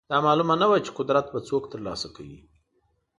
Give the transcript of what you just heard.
دا معلومه نه وه چې قدرت به څوک ترلاسه کوي.